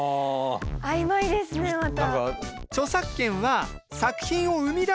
曖昧ですねまた。